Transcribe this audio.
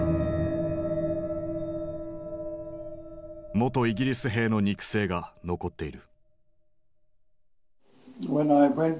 元イギリス兵の肉声が残っている。